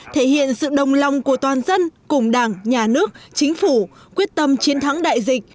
thể hiện sự đồng lòng của toàn dân cùng đảng nhà nước chính phủ quyết tâm chiến thắng đại dịch